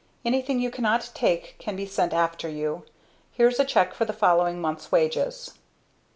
Anything you cannot take can be sent after you. Here is a check for the following month's wages."